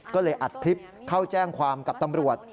ก็เลยอัดคลิปเข้าแจ้งความกับตำรวจ